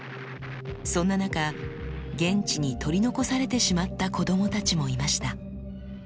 そんな中現地に取り残されてしまった子供たちもいました。